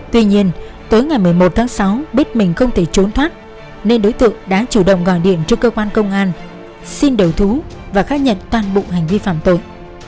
tuy nhiên tối ngày một mươi một tháng sáu biết mình không thể trốn thoát nên đối tượng đã chủ động gọi điện cho cơ quan công an xin đầu thú và khai nhận toàn bộ hành vi phạm tội